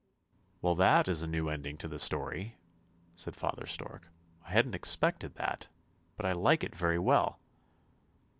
" Well, that is a new ending to the story," said father stork; " I hadn't expected that, but I like it very well."